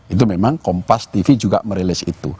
itu memang kompas tv juga merilis itu